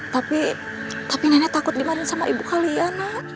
tapi tapi nenek takut dimarin sama ibu kali ya nek